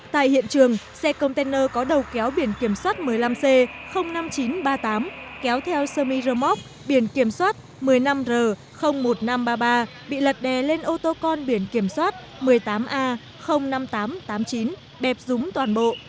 tại hiện trường xe container có đầu kéo biển kiểm soát một mươi năm c năm nghìn chín trăm ba mươi tám kéo theo semi rơ móc biển kiểm soát một mươi năm r một nghìn năm trăm ba mươi ba bị lật đè lên ô tô con biển kiểm soát một mươi tám a năm nghìn tám trăm tám mươi chín đẹp dúng toàn bộ